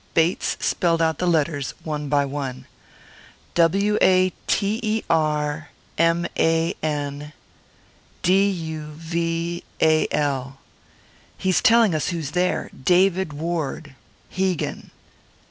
Bates spelled out the letters one by one. "W a t e r m a n. D u v a l. He's telling us who's there. David Ward. Hegan.